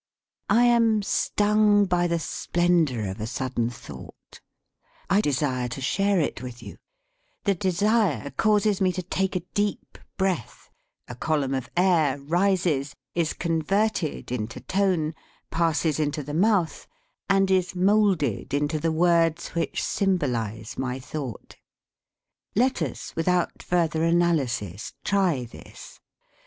I am "stung by the splendor of a sudden thought"; I desire to share it with you; the desire causes me to take a deep breath, a column of air rises, is converted into tone, passes into the mouth, and is moulded into the words which symbolize my thought. Let us, without further analysis, try this.